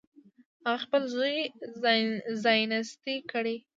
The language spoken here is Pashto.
هغه خپل زوی ځایناستی کړي.